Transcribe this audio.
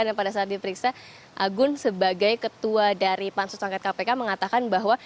dan pada saat diperiksa agung sebagai ketua dari pansus akangket kpk mengatakan bahwa